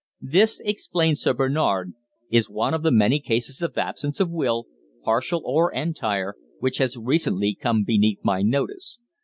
"This," explained Sir Bernard, "is one of the many cases of absence of will, partial or entire, which has recently come beneath my notice.